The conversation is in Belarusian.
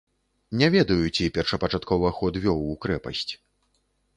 Не ведаю, ці першапачаткова ход вёў у крэпасць.